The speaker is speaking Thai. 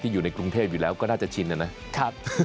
ที่อยู่ในกรุงเทพฯยังอยู่แล้วก็น่าจะชินอ่ะนะ